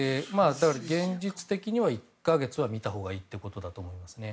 現実的には１か月は見たほうがいいということだと思いますね。